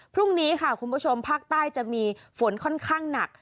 พรุ่งนี้ค่ะคุณผู้ชมภาคใต้จะมีฝนค่อนข้างหนัก